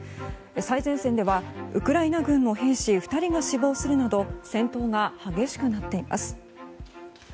最前線ではウクライナ軍の兵士２人が死亡するなど戦闘が激しくなっています。